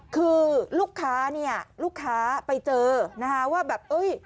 คือลูกค้าไปเจอว่าแบบ